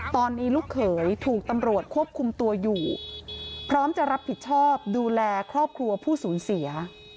ตอนนี้ลูกเขยถูกตำรวจควบคุมตัวอยู่พร้อมจะรับผิดชอบดูแลครอบครัวผู้สูญเสีย